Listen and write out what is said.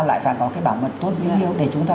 lại phải có cái bảo mật tốt bình yên để chúng ta